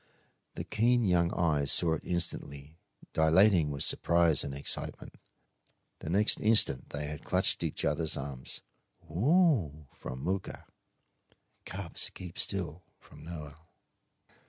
The keen young eyes saw it instantly, dilating with surprise and excitement. The next instant they had clutched each other's arms. "Ooooo!" from Mooka. "Cubs; keep still!" from Noel.